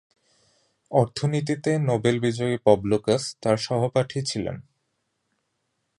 অর্থনীতিতে নোবেল বিজয়ী Bob Lucas তার সহপাঠী ছিলেন।